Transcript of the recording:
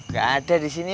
gak ada di sini